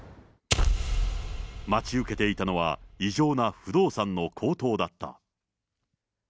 待ち受けていたのは、異常な不動産の高騰だった。